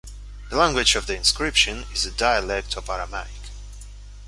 The language of the inscription is a dialect of Aramaic.